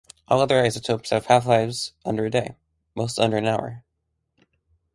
All other isotopes have half-lives under a day, most under an hour.